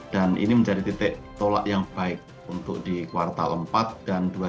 dan ini menjadi titik tolak yang baik untuk di kuartal empat dan dua ribu dua puluh dua